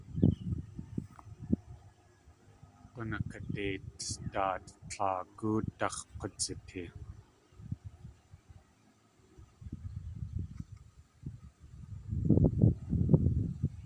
G̲unakadeit daat tlaagú dax̲k̲udzitee.